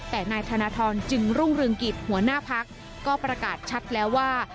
แต่นายธนทรจึงรุ่งเรืองกิจหัวหน้าพักก็ประกาศชัดแล้วว่า